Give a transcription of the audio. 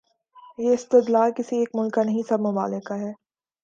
یہ استدلال کسی ایک ملک کا نہیں، سب ممالک کا ہے۔